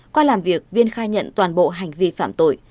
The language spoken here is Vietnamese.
qua làm việc viên khai nhận toàn bộ hành vi phạm tội